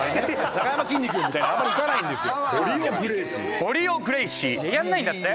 なかやまきんに君みたいにあんまりいかないんですよ。